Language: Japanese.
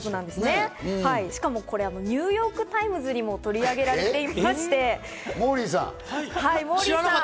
しかもこれ、ニューヨーク・タイムズにも取り上げられていまして。